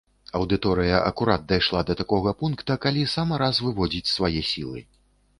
Аўдыторыя акурат дайшла да такога пункта, калі сама раз выводзіць свае сілы.